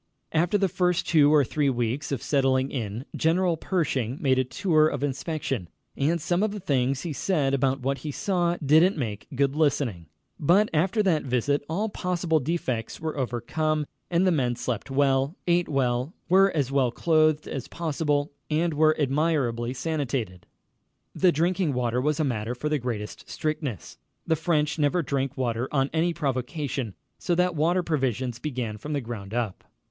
After the first two or three weeks of settling in, General Pershing made a tour of inspection, and some of the things he said about what he saw didn't make good listening. But after that visit all possible defects were overcome, and the men slept well, ate well, were as well clothed as possible, and were admirably sanitated. The drinking water was a matter for the greatest strictness. The French never drink water on any provocation, so that water provisions began from the ground up.